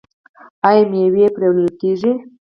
ایا میوه مینځئ؟